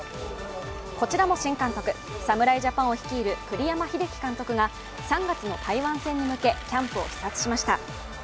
こちらも新監督、侍ジャパンを率いる栗山英樹監督が３月の台湾戦に向け、キャンプを視察しました。